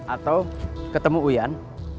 atau ketemu uyan